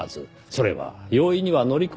それは容易には乗り越えられない